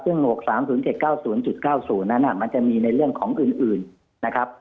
ซึ่งหมวก๓๐๗๙๐๙๐นั้นมันจะมีในเรื่องของอื่นนะครับ